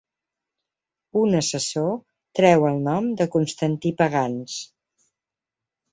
Un assessor treu el nom de Constantí Pagans.